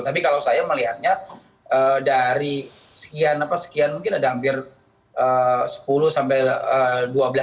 tapi kalau saya melihatnya dari sekian mungkin ada hampir sepuluh dua belas jenderal perwira ya